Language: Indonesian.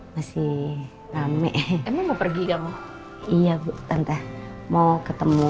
masih rame kamu mau pergi kamu iya bu tante mau ketemu